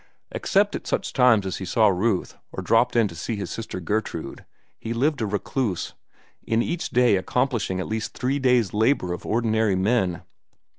Except at such times as he saw Ruth, or dropped in to see his sister Gertude, he lived a recluse, in each day accomplishing at least three days' labor of ordinary men.